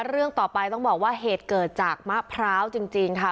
เรื่องต่อไปต้องบอกว่าเหตุเกิดจากมะพร้าวจริงค่ะ